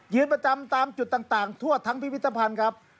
ประจำตามจุดต่างทั่วทั้งพิพิธภัณฑ์ครับ